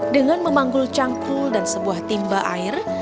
dengan memanggul cangkul dan sebuah timba air